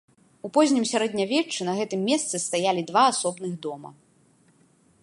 У познім сярэднявеччы на гэтым месцы стаялі два асобных дома.